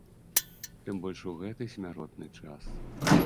Тым больш у гэты смяротны час.